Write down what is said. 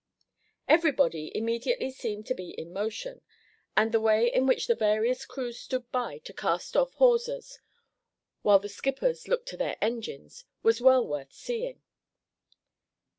Everybody immediately seemed to be in motion, and the way in which the various crews stood by to cast off hawsers, while the skippers looked to their engines, was well worth seeing.